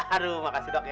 aduh makasih dok ya